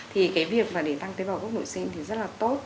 thì cái việc mà để tăng tế bào gốc nội sinh thì rất là tốt